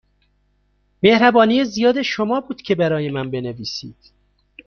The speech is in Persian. مهربانی زیاد شما بود که برای من بنویسید.